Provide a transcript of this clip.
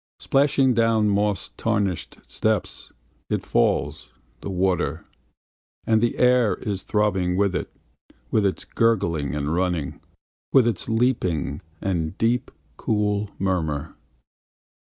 Splashing down moss tarnished steps It falls, the water; And the air is throbbing with it. With its gurgling and running. With its leaping, and deep, cool murmur.